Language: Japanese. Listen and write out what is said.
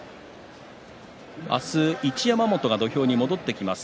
明日、一山本が土俵に戻ってきます。